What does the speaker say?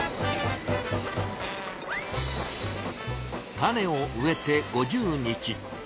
種を植えて５０日。